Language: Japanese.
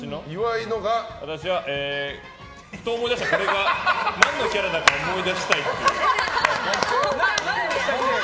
私は、ふと思い出したこれが何のキャラか思い出したいと。